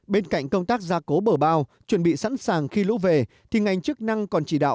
bên cạnh công tác gia cố bờ bao chuẩn bị sẵn sàng khi lũ về thì ngành chức năng còn chỉ đạo